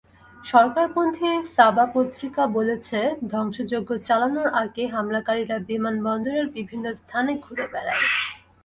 সরকারপন্থী Sabah পত্রিকা বলেছে, ধ্বংসযজ্ঞ চালানোর আগে হামলাকারীরা বিমানবন্দরের বিভিন্ন স্থানে ঘুরে বেড়ায়।